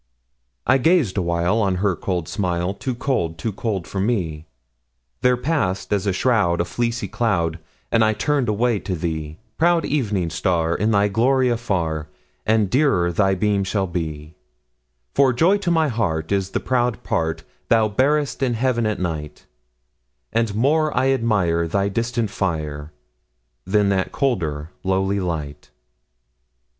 I gazed awhile On her cold smile; Too cold—too cold for me— There passed, as a shroud, A fleecy cloud, And I turned away to thee, Proud Evening Star, In thy glory afar And dearer thy beam shall be; For joy to my heart Is the proud part Thou bearest in Heaven at night, And more I admire Thy distant fire, Than that colder, lowly light.